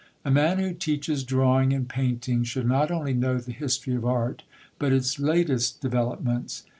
A man who teaches drawing and painting should not only know the history of art, but its latest developments.